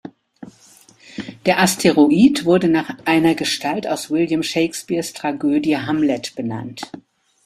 Der Asteroid wurde nach einer Gestalt aus William Shakespeares Tragödie Hamlet benannt.